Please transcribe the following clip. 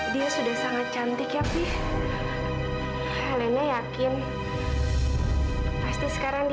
wah itu anak aku balikin anak aku